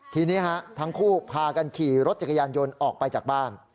ทีนี้ทั้งคู่พากันขี่รถจักรยานยนต์ออกไปจากบ้าน